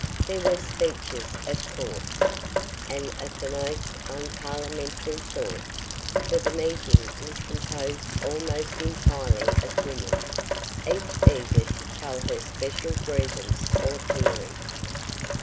There were speeches of course, and of the most unparliamentary sort, for the meeting was composed almost entirely of women, each eager to tell her special grievance or theory.